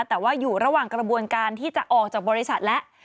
แต่ว่าอยู่ระหว่างกระบวนการที่จะออกจากบริษัทแล้ว